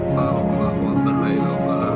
pak om mahwa berlaino pak